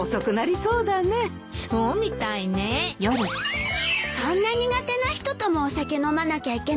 そんな苦手な人ともお酒飲まなきゃいけないの？